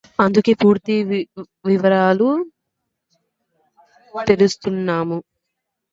అందుకే పూర్తి వివరాలు సేకరిస్తున్నాము